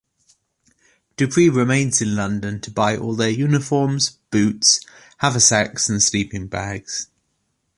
Dupree remains in London to buy all their uniforms, boots, haversacks and sleeping bags.